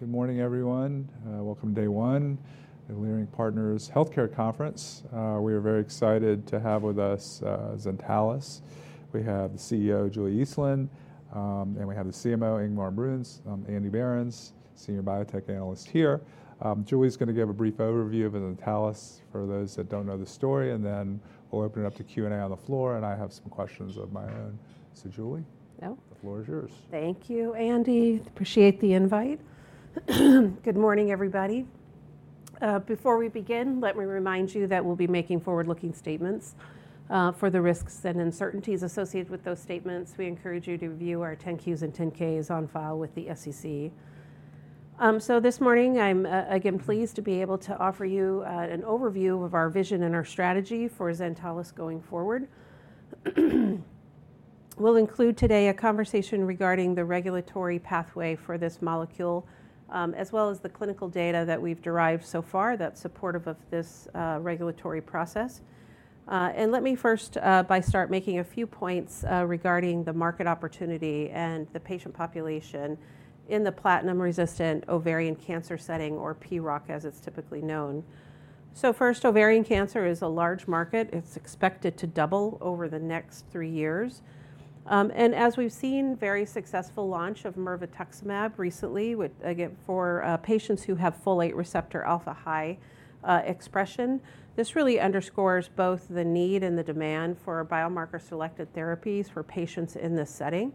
Good morning, everyone. Welcome to day one of Leerink Partners' Healthcare Conference. We are very excited to have with us Zentalis. We have the CEO, Julie Eastland, and we have the CMO, Ingmar Bruns, Andy Berens, Senior Biotech Analyst here. Julie is going to give a brief overview of Zentalis for those that don't know the story, and then we'll open it up to Q&A on the floor, and I have some questions of my own. Julie? No. The floor is yours. Thank you, Andy. Appreciate the invite. Good morning, everybody. Before we begin, let me remind you that we'll be making forward-looking statements. For the risks and uncertainties associated with those statements, we encourage you to view our 10Qs and 10Ks on file with the SEC. This morning, I'm again pleased to be able to offer you an overview of our vision and our strategy for Zentalis going forward. We'll include today a conversation regarding the regulatory pathway for this molecule, as well as the clinical data that we've derived so far that's supportive of this regulatory process. Let me first start by making a few points regarding the market opportunity and the patient population in the platinum-resistant ovarian cancer setting, or PROC, as it's typically known. First, ovarian cancer is a large market. It's expected to double over the next three years. As we've seen a very successful launch of mirvetuximab recently for patients who have folate receptor alpha high expression, this really underscores both the need and the demand for biomarker-selected therapies for patients in this setting.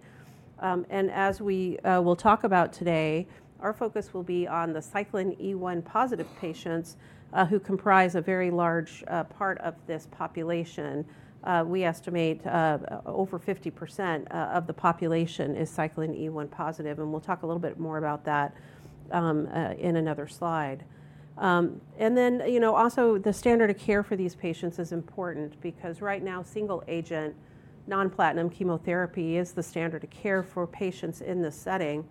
As we will talk about today, our focus will be on the cyclin E1 positive patients who comprise a very large part of this population. We estimate over 50% of the population is cyclin E1 positive, and we'll talk a little bit more about that in another slide. Also, the standard of care for these patients is important because right now, single-agent non-platinum chemotherapy is the standard of care for patients in this setting.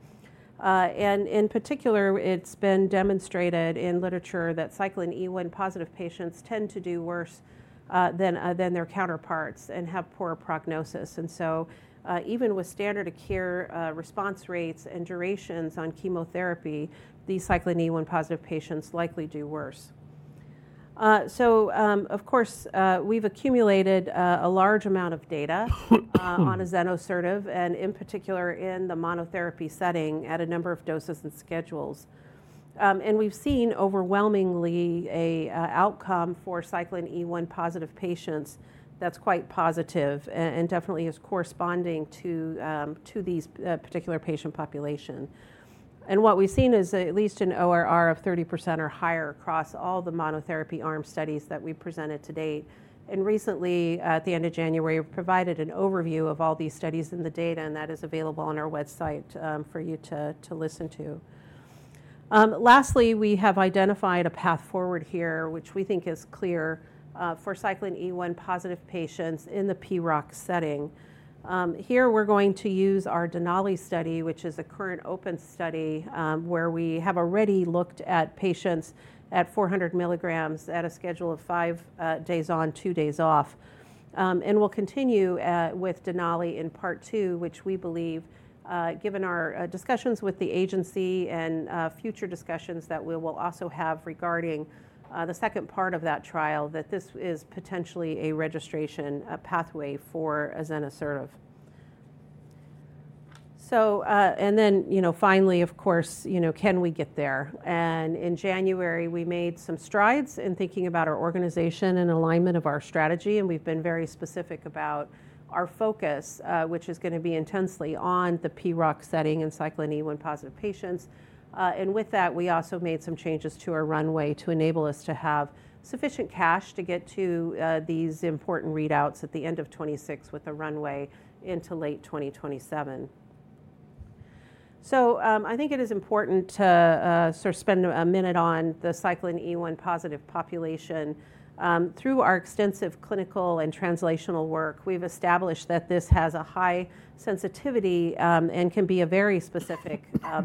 In particular, it's been demonstrated in literature that cyclin E1 positive patients tend to do worse than their counterparts and have poorer prognosis. Even with standard of care response rates and durations on chemotherapy, these cyclin E1 positive patients likely do worse. Of course, we've accumulated a large amount of data on azenosertib, and in particular in the monotherapy setting at a number of doses and schedules. We've seen overwhelmingly an outcome for cyclin E1 positive patients that's quite positive and definitely is corresponding to these particular patient populations. What we've seen is at least an ORR of 30% or higher across all the monotherapy arm studies that we've presented to date. Recently, at the end of January, we've provided an overview of all these studies and the data, and that is available on our website for you to listen to. Lastly, we have identified a path forward here, which we think is clear for cyclin E1 positive patients in the PROC setting. Here we're going to use our Denali study, which is a current open study where we have already looked at patients at 400 milligrams at a schedule of five days on, two days off. We will continue with Denali in part two, which we believe, given our discussions with the agency and future discussions that we will also have regarding the second part of that trial, that this is potentially a registration pathway for azenosertib. Finally, of course, can we get there? In January, we made some strides in thinking about our organization and alignment of our strategy, and we've been very specific about our focus, which is going to be intensely on the PROC setting and cyclin E1 positive patients. With that, we also made some changes to our runway to enable us to have sufficient cash to get to these important readouts at the end of 2026 with the runway into late 2027. I think it is important to spend a minute on the cyclin E1 positive population. Through our extensive clinical and translational work, we have established that this has a high sensitivity and can be a very specific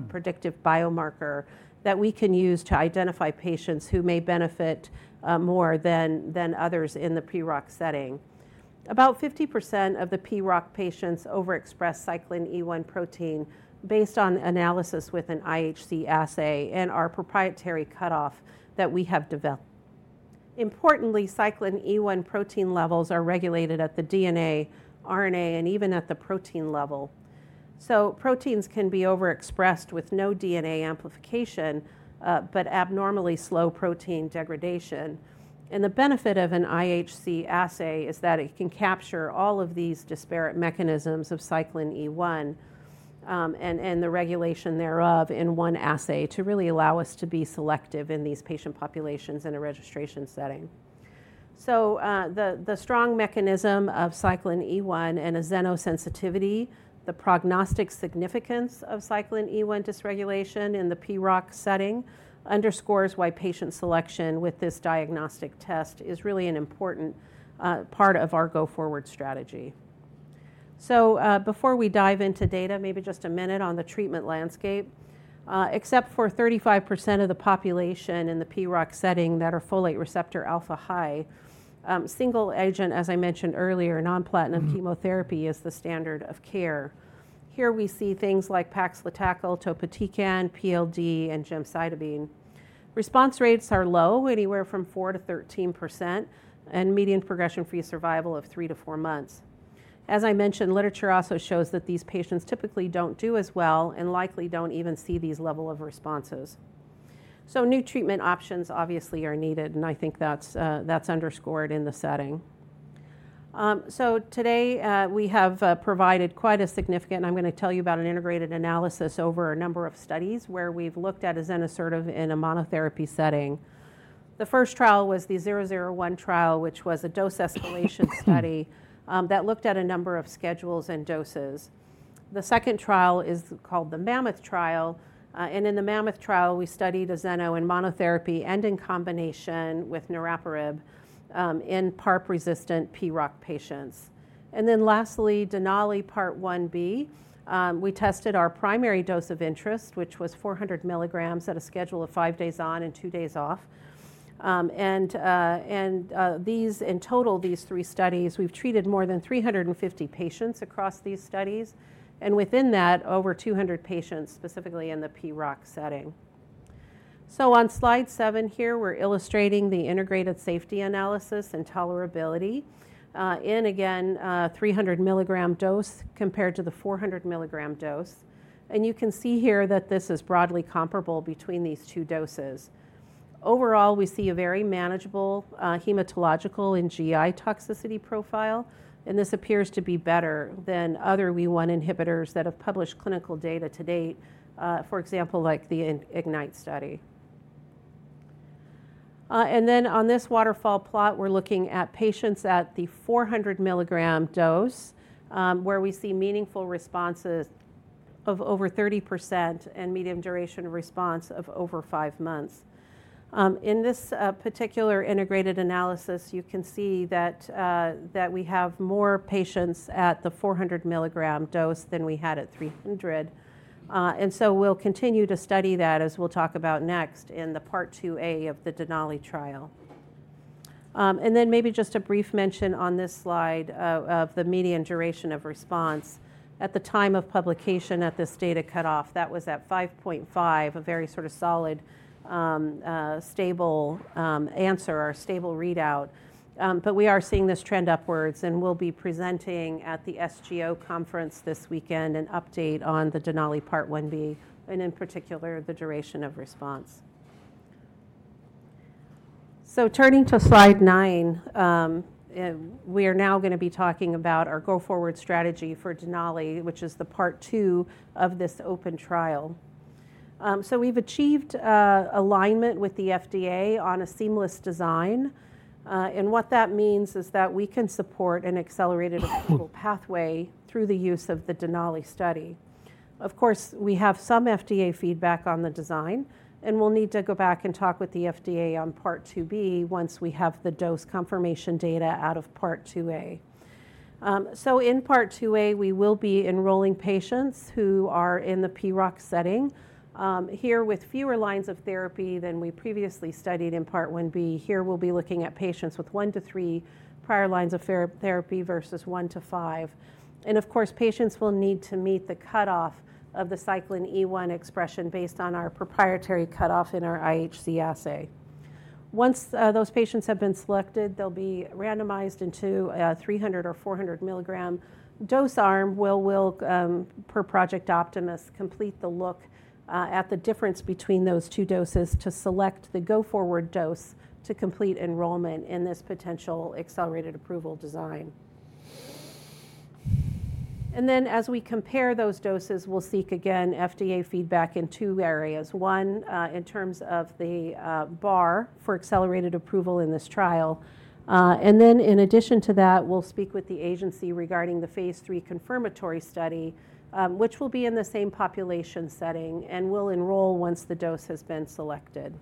predictive biomarker that we can use to identify patients who may benefit more than others in the PROC setting. About 50% of the PROC patients overexpress cyclin E1 protein based on analysis with an IHC assay and our proprietary cutoff that we have developed. Importantly, cyclin E1 protein levels are regulated at the DNA, RNA, and even at the protein level. Proteins can be overexpressed with no DNA amplification, but abnormally slow protein degradation. The benefit of an IHC assay is that it can capture all of these disparate mechanisms of cyclin E1 and the regulation thereof in one assay to really allow us to be selective in these patient populations in a registration setting. The strong mechanism of cyclin E1 and azenosertib sensitivity, the prognostic significance of cyclin E1 dysregulation in the PROC setting underscores why patient selection with this diagnostic test is really an important part of our go-forward strategy. Before we dive into data, maybe just a minute on the treatment landscape. Except for 35% of the population in the PROC setting that are folate receptor alpha high, single agent, as I mentioned earlier, non-platinum chemotherapy is the standard of care. Here we see things like paclitaxel, topotecan, pegylated liposomal doxorubicin, and gemcitabine. Response rates are low, anywhere from 4% to 13%, and median progression-free survival of three to four months. As I mentioned, literature also shows that these patients typically don't do as well and likely don't even see these levels of responses. New treatment options obviously are needed, and I think that's underscored in the setting. Today we have provided quite a significant, and I'm going to tell you about an integrated analysis over a number of studies where we've looked at azenosertib in a monotherapy setting. The first trial was the 001 trial, which was a dose escalation study that looked at a number of schedules and doses. The second trial is called the Mammoth trial. In the Mammoth trial, we studied azenosertib in monotherapy and in combination with niraparib in PARP-resistant PROC patients. Lastly, Denali part one B, we tested our primary dose of interest, which was 400 milligrams at a schedule of five days on and two days off. In total, these three studies, we have treated more than 350 patients across these studies, and within that, over 200 patients specifically in the PROC setting. On slide seven here, we are illustrating the integrated safety analysis and tolerability in, again, a 300 milligram dose compared to the 400 milligram dose. You can see here that this is broadly comparable between these two doses. Overall, we see a very manageable hematological and GI toxicity profile, and this appears to be better than other WEE1 inhibitors that have published clinical data to date, for example, like the IGNITE study. On this waterfall plot, we're looking at patients at the 400 milligram dose where we see meaningful responses of over 30% and median duration response of over five months. In this particular integrated analysis, you can see that we have more patients at the 400 milligram dose than we had at 300. We will continue to study that, as we'll talk about next in the part two A of the Denali trial. Maybe just a brief mention on this slide of the median duration of response. At the time of publication at this data cutoff, that was at 5.5, a very sort of solid, stable answer or stable readout. We are seeing this trend upwards, and we'll be presenting at the SGO conference this weekend an update on the Denali part one B, and in particular, the duration of response. Turning to slide nine, we are now going to be talking about our go-forward strategy for Denali, which is the part two of this open trial. We have achieved alignment with the FDA on a seamless design. What that means is that we can support an accelerated pathway through the use of the Denali study. Of course, we have some FDA feedback on the design, and we'll need to go back and talk with the FDA on part two B once we have the dose confirmation data out of part two A. In part two A, we will be enrolling patients who are in the PROC setting here with fewer lines of therapy than we previously studied in part one B. Here we'll be looking at patients with one to three prior lines of therapy versus one to five. Of course, patients will need to meet the cutoff of the cyclin E1 expression based on our proprietary cutoff in our IHC assay. Once those patients have been selected, they'll be randomized into a 300 or 400 milligram dose arm where we'll, per Project Optimus, complete the look at the difference between those two doses to select the go-forward dose to complete enrollment in this potential accelerated approval design. As we compare those doses, we'll seek again FDA feedback in two areas. One, in terms of the bar for accelerated approval in this trial. In addition to that, we'll speak with the agency regarding the phase three confirmatory study, which will be in the same population setting, and we'll enroll once the dose has been selected.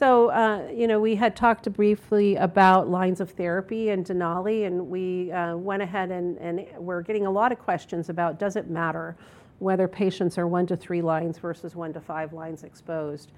We had talked briefly about lines of therapy and Denali, and we went ahead and we're getting a lot of questions about does it matter whether patients are one to three lines versus one to five lines exposed.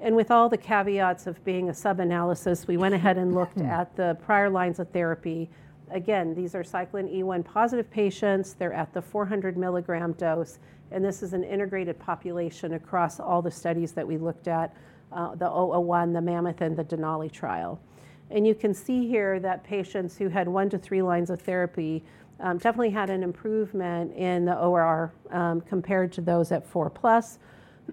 With all the caveats of being a sub-analysis, we went ahead and looked at the prior lines of therapy. Again, these are cyclin E1 positive patients. They're at the 400 milligram dose, and this is an integrated population across all the studies that we looked at, the 001, the Mammoth, and the Denali trial. You can see here that patients who had one to three lines of therapy definitely had an improvement in the ORR compared to those at four plus.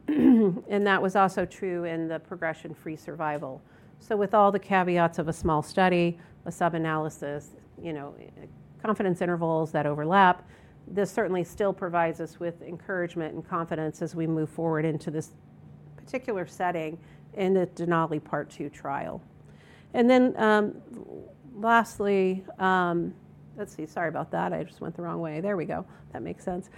That was also true in the progression-free survival. With all the caveats of a small study, a sub-analysis, confidence intervals that overlap, this certainly still provides us with encouragement and confidence as we move forward into this particular setting in the Denali part two trial. Lastly, let's see, sorry about that. I just went the wrong way. There we go. That makes sense.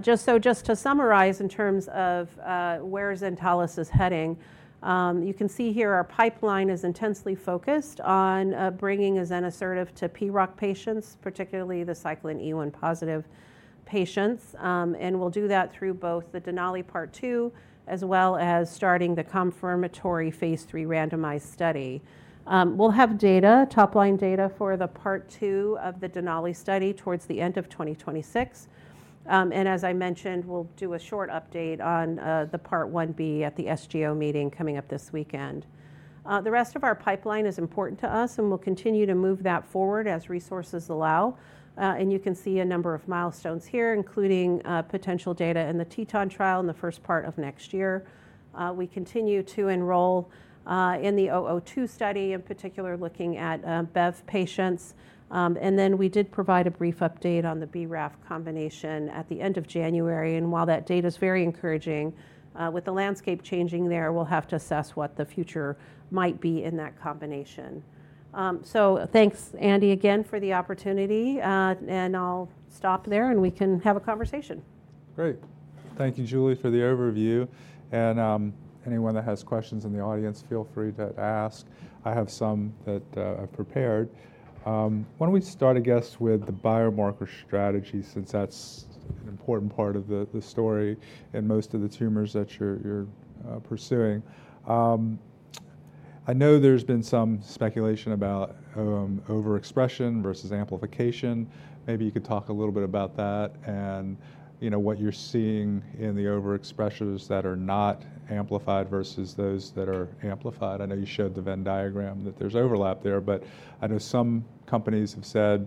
Just to summarize in terms of where Zentalis is heading, you can see here our pipeline is intensely focused on bringing azenosertib to PROC patients, particularly the cyclin E1 positive patients. We will do that through both the Denali part two as well as starting the confirmatory phase three randomized study. We will have top-line data for the part two of the Denali study towards the end of 2026. As I mentioned, we'll do a short update on the part one B at the SGO meeting coming up this weekend. The rest of our pipeline is important to us, and we'll continue to move that forward as resources allow. You can see a number of milestones here, including potential data in the Teton trial in the first part of next year. We continue to enroll in the 002 study, in particular looking at BEV patients. We did provide a brief update on the BRAF combination at the end of January. While that data is very encouraging, with the landscape changing there, we'll have to assess what the future might be in that combination. Thanks, Andy, again for the opportunity, and I'll stop there and we can have a conversation. Great. Thank you, Julie, for the overview. Anyone that has questions in the audience, feel free to ask. I have some that I've prepared. Why don't we start, I guess, with the biomarker strategy since that's an important part of the story and most of the tumors that you're pursuing. I know there's been some speculation about overexpression versus amplification. Maybe you could talk a little bit about that and what you're seeing in the overexpressors that are not amplified versus those that are amplified. I know you showed the Venn diagram that there's overlap there, but I know some companies have said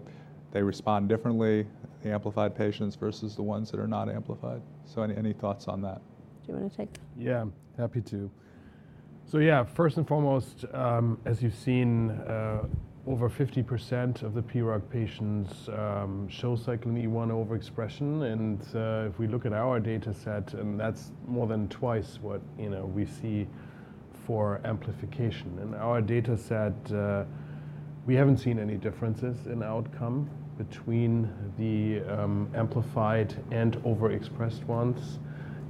they respond differently, the amplified patients versus the ones that are not amplified. Any thoughts on that? Do you want to take that? Yeah, happy to. Yeah, first and foremost, as you've seen, over 50% of the PROC patients show cyclin E1 overexpression. If we look at our data set, that's more than twice what we see for amplification. In our data set, we haven't seen any differences in outcome between the amplified and overexpressed ones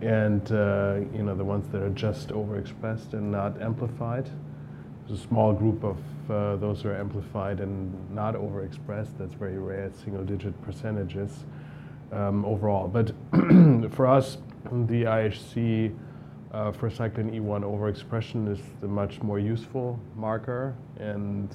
and the ones that are just overexpressed and not amplified. There's a small group of those who are amplified and not overexpressed. That's very rare, single-digit percentages overall. For us, the IHC for cyclin E1 overexpression is the much more useful marker and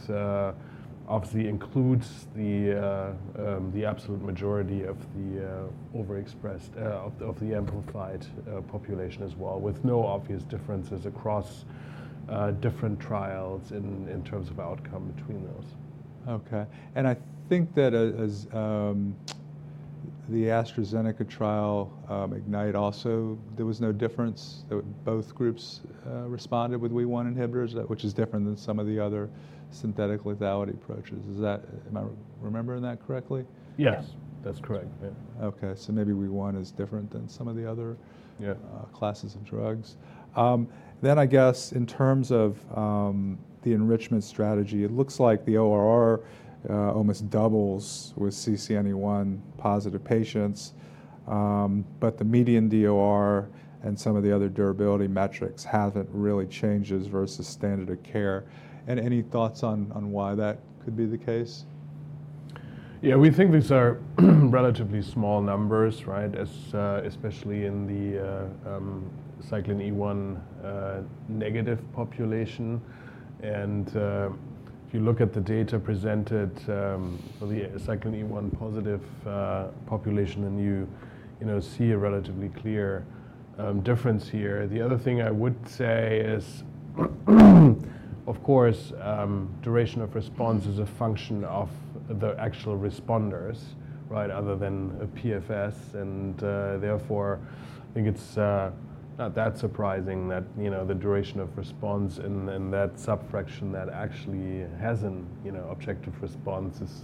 obviously includes the absolute majority of the overexpressed of the amplified population as well, with no obvious differences across different trials in terms of outcome between those. Okay. I think that as the AstraZeneca trial, IGNITE, also, there was no difference, that both groups responded with WEE1 inhibitors, which is different than some of the other synthetic lethality approaches. Am I remembering that correctly? Yes, that's correct. Okay. Maybe V1 is different than some of the other classes of drugs. I guess in terms of the enrichment strategy, it looks like the ORR almost doubles with CCNE1 positive patients, but the median DOR and some of the other durability metrics have not really changed versus standard of care. Any thoughts on why that could be the case? Yeah, we think these are relatively small numbers, especially in the cyclin E1 negative population. If you look at the data presented for the cyclin E1 positive population, then you see a relatively clear difference here. The other thing I would say is, of course, duration of response is a function of the actual responders other than a PFS. Therefore, I think it's not that surprising that the duration of response in that subfraction that actually has an objective response is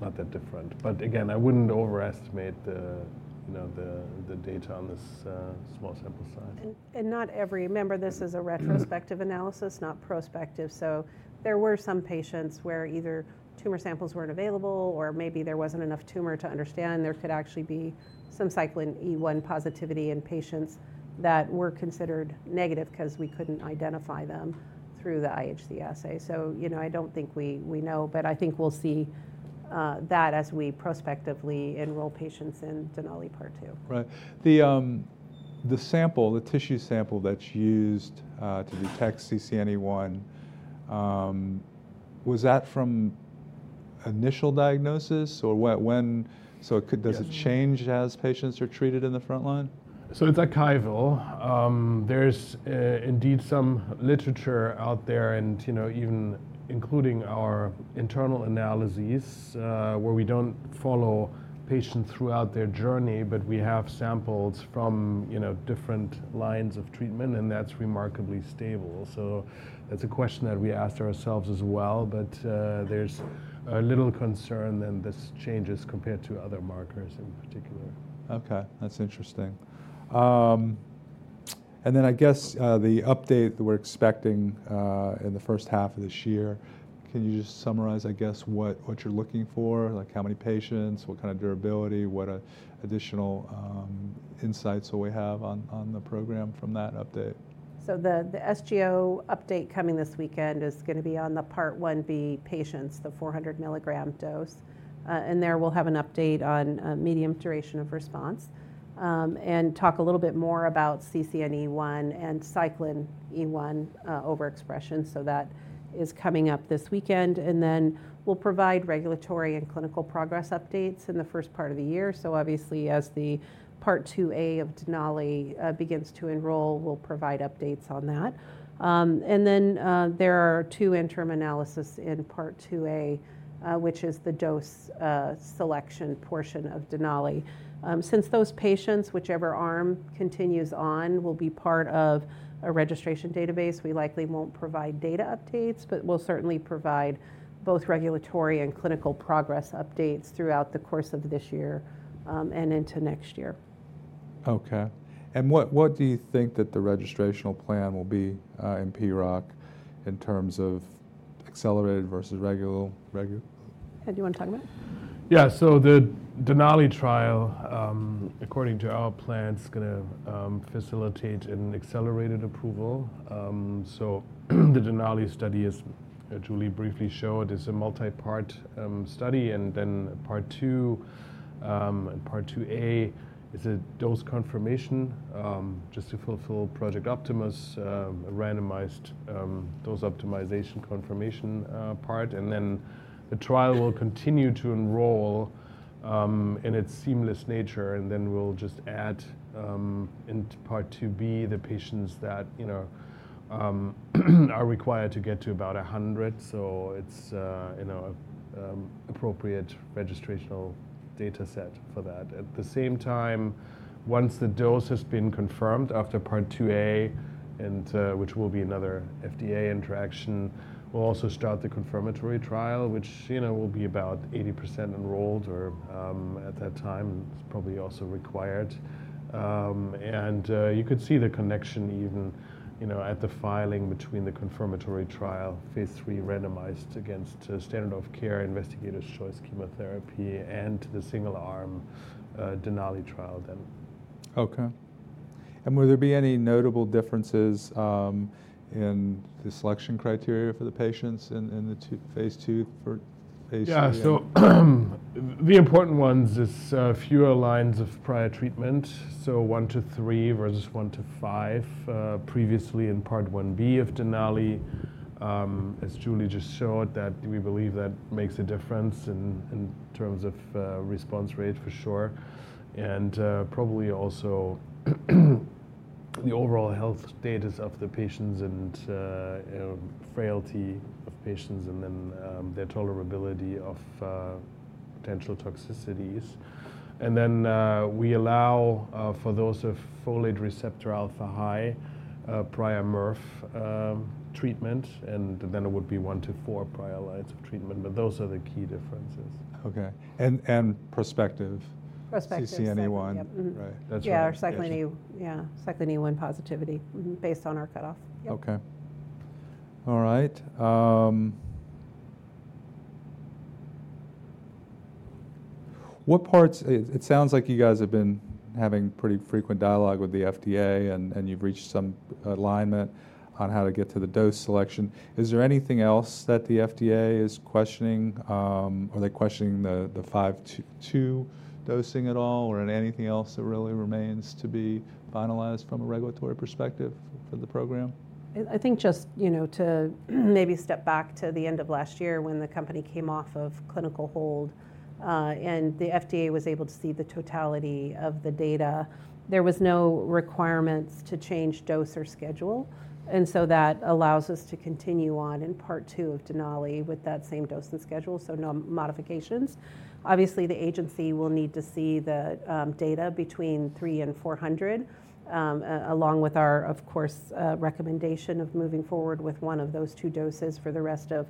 not that different. Again, I wouldn't overestimate the data on this small sample size. Not every, remember this is a retrospective analysis, not prospective. There were some patients where either tumor samples weren't available or maybe there wasn't enough tumor to understand. There could actually be some cyclin E1 positivity in patients that were considered negative because we couldn't identify them through the IHC assay. I don't think we know, but I think we'll see that as we prospectively enroll patients in Denali part two. Right. The sample, the tissue sample that's used to detect CCNE1, was that from initial diagnosis or when? Does it change as patients are treated in the front line? It's archival. There's indeed some literature out there and even including our internal analyses where we don't follow patients throughout their journey, but we have samples from different lines of treatment, and that's remarkably stable. That's a question that we asked ourselves as well, but there's little concern in this changes compared to other markers in particular. Okay. That's interesting. I guess the update that we're expecting in the first half of this year, can you just summarize, I guess, what you're looking for, like how many patients, what kind of durability, what additional insights will we have on the program from that update? The SGO update coming this weekend is going to be on the part one B patients, the 400 milligram dose. There we will have an update on median duration of response and talk a little bit more about CCNE1 and cyclin E1 overexpression. That is coming up this weekend. We will provide regulatory and clinical progress updates in the first part of the year. Obviously, as the part two A of Denali begins to enroll, we will provide updates on that. There are two interim analyses in part two A, which is the dose selection portion of Denali. Since those patients, whichever arm continues on, will be part of a registration database, we likely will not provide data updates, but we will certainly provide both regulatory and clinical progress updates throughout the course of this year and into next year. Okay. What do you think that the registrational plan will be in PROC in terms of accelerated versus regular? Hey, do you want to talk about it? Yeah. The Denali trial, according to our plan, is going to facilitate an accelerated approval. The Denali study, as Julie briefly showed, is a multi-part study. Part two and part two A is a dose confirmation just to fulfill Project Optimus, a randomized dose optimization confirmation part. The trial will continue to enroll in its seamless nature. We will just add in part two B the patients that are required to get to about 100, so it is an appropriate registrational data set for that. At the same time, once the dose has been confirmed after part two A, which will be another FDA interaction, we will also start the confirmatory trial, which will be about 80% enrolled at that time. It is probably also required. You could see the connection even at the filing between the confirmatory trial, phase three randomized against standard of care, investigators' choice chemotherapy, and the single-arm Denali trial then. Okay. Will there be any notable differences in the selection criteria for the patients in the phase two for phase three? Yeah. The important ones is fewer lines of prior treatment, so one to three versus one to five. Previously in part one B of Denali, as Julie just showed, we believe that makes a difference in terms of response rate for sure. Probably also the overall health status of the patients and frailty of patients and then their tolerability of potential toxicities. We allow for those of folate receptor alpha high prior MIRV treatment, and then it would be one to four prior lines of treatment, but those are the key differences. Okay. Prospective. Prospective. CCNE1. Right. Yeah, cyclin E1 positivity based on our cutoff. Okay. All right. What parts? It sounds like you guys have been having pretty frequent dialogue with the FDA and you've reached some alignment on how to get to the dose selection. Is there anything else that the FDA is questioning? Are they questioning the five to two dosing at all or anything else that really remains to be finalized from a regulatory perspective for the program? I think just to maybe step back to the end of last year when the company came off of clinical hold and the FDA was able to see the totality of the data, there were no requirements to change dose or schedule. That allows us to continue on in part two of Denali with that same dose and schedule, so no modifications. Obviously, the agency will need to see the data between 300 and 400, along with our, of course, recommendation of moving forward with one of those two doses for the rest of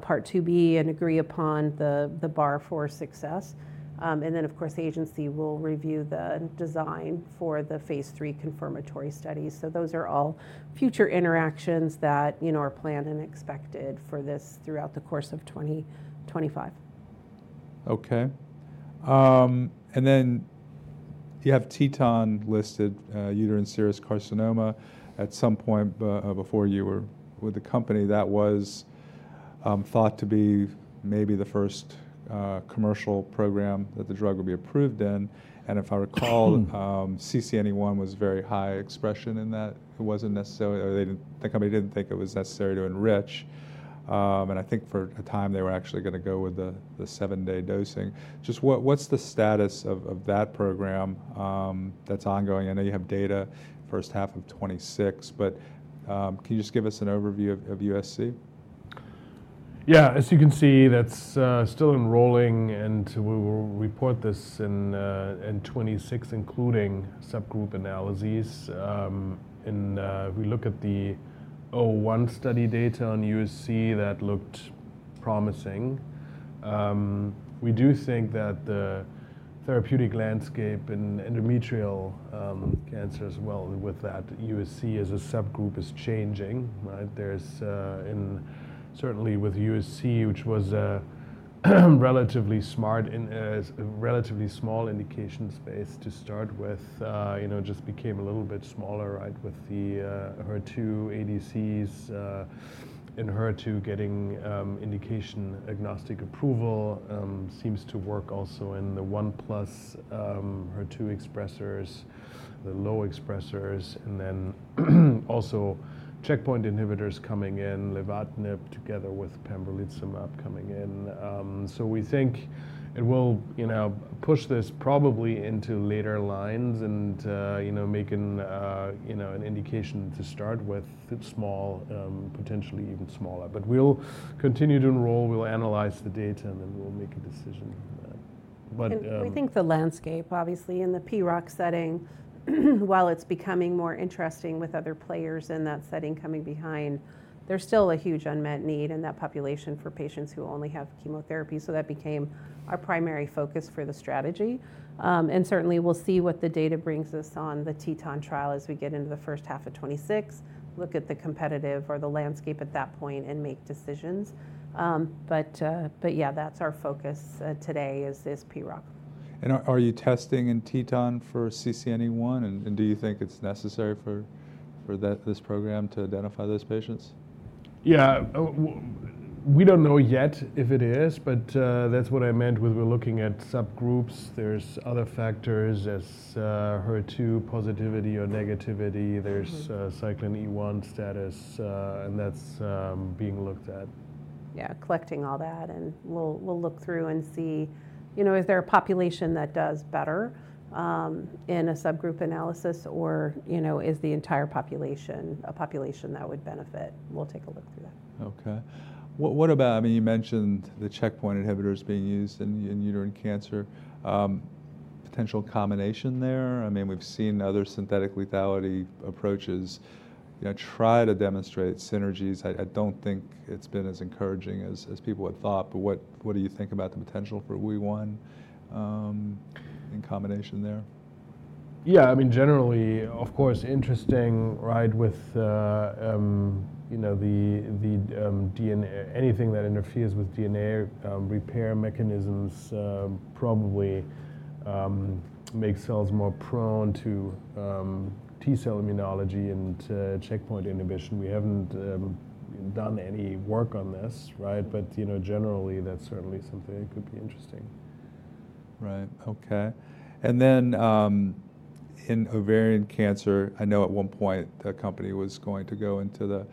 part two B and agree upon the bar for success. Of course, the agency will review the design for the phase three confirmatory studies. Those are all future interactions that are planned and expected for this throughout the course of 2025. Okay. You have Teton listed, uterine serous carcinoma. At some point before you were with the company, that was thought to be maybe the first commercial program that the drug would be approved in. If I recall, CCNE1 was very high expression in that. It was not necessarily, or the company did not think it was necessary to enrich. I think for a time they were actually going to go with the seven-day dosing. Just what is the status of that program that is ongoing? I know you have data first half of 2026, but can you just give us an overview of USC? Yeah. As you can see, that's still enrolling. We report this in 2026, including subgroup analyses. If we look at the '01 study data on USC, that looked promising. We do think that the therapeutic landscape in endometrial cancer as well with that USC as a subgroup is changing. There is certainly with USC, which was a relatively small indication space to start with, just became a little bit smaller with the HER2 ADCs and HER2 getting indication agnostic approval. Seems to work also in the 1+ HER2 expressors, the low expressors, and then also checkpoint inhibitors coming in, lenvatinib together with pembrolizumab coming in. We think it will push this probably into later lines and making an indication to start with small, potentially even smaller. We will continue to enroll. We will analyze the data and then we will make a decision. We think the landscape, obviously, in the PROC setting, while it's becoming more interesting with other players in that setting coming behind, there's still a huge unmet need in that population for patients who only have chemotherapy. That became our primary focus for the strategy. Certainly, we'll see what the data brings us on the Teton trial as we get into the first half of 2026, look at the competitive or the landscape at that point and make decisions. Yeah, that's our focus today is PROC. Are you testing in Teton for CCNE1? Do you think it's necessary for this program to identify those patients? Yeah. We don't know yet if it is, but that's what I meant with we're looking at subgroups. There's other factors as HER2 positivity or negativity. There's cyclin E1 status, and that's being looked at. Yeah, collecting all that. We'll look through and see is there a population that does better in a subgroup analysis or is the entire population a population that would benefit? We'll take a look through that. Okay. I mean, you mentioned the checkpoint inhibitors being used in uterine cancer, potential combination there. I mean, we've seen other synthetic lethality approaches try to demonstrate synergies. I don't think it's been as encouraging as people had thought, but what do you think about the potential for WEE1 in combination there? Yeah. I mean, generally, of course, interesting with anything that interferes with DNA repair mechanisms probably makes cells more prone to T cell immunology and checkpoint inhibition. We haven't done any work on this, but generally, that's certainly something that could be interesting. Right. Okay. In ovarian cancer, I know at one point the company was going to go into the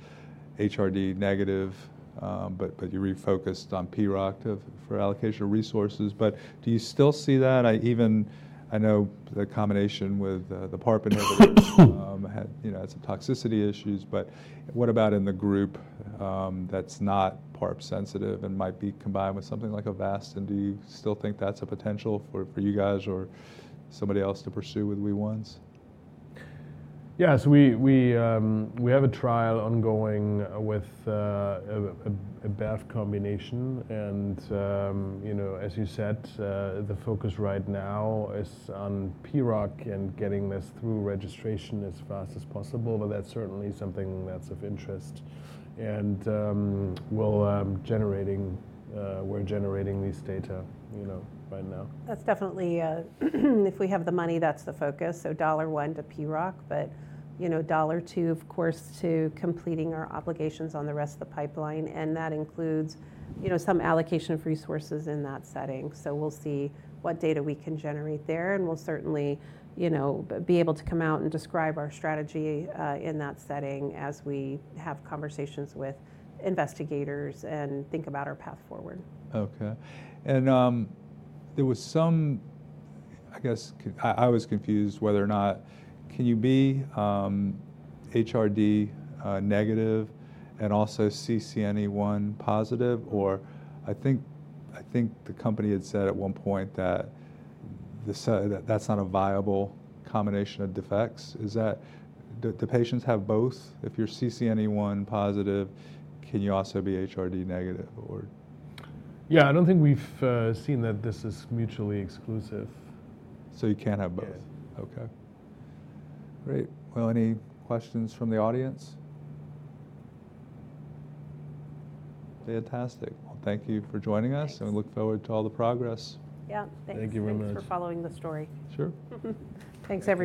HRD negative, but you refocused on PROC for allocation of resources. Do you still see that? I know the combination with the PARP inhibitors has some toxicity issues, but what about in the group that's not PARP sensitive and might be combined with something like Avastin? Do you still think that's a potential for you guys or somebody else to pursue with WEE1s? Yeah. We have a trial ongoing with a BRAF combination. As you said, the focus right now is on PROC and getting this through registration as fast as possible, but that's certainly something that's of interest. We're generating these data right now. That's definitely, if we have the money, that's the focus. Dollar one to PROC, but dollar two, of course, to completing our obligations on the rest of the pipeline. That includes some allocation of resources in that setting. We'll see what data we can generate there. We'll certainly be able to come out and describe our strategy in that setting as we have conversations with investigators and think about our path forward. Okay. There was some, I guess I was confused whether or not can you be HRD negative and also CCNE1 positive? I think the company had said at one point that that's not a viable combination of defects. Is that the patients have both? If you're CCNE1 positive, can you also be HRD negative or? Yeah. I don't think we've seen that this is mutually exclusive. You can't have both? Yeah. Okay. Great. Any questions from the audience? Fantastic. Thank you for joining us. We look forward to all the progress. Yeah. Thank you very much for following the story. Sure. Thanks, Andrew.